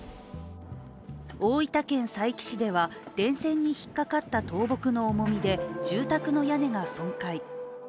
大分県佐伯市では、電線に引っ掛かった倒木の重みで住宅の屋根が損壊。